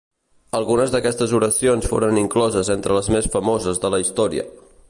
Algunes d'aquestes oracions foren incloses entre les més famoses de la història.